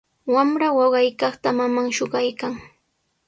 Wamra waqaykaqta maman shuqaykan.